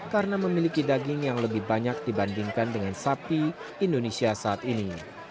karena memiliki daging yang lebih banyak dibandingkan dengan sapi indonesia saat ini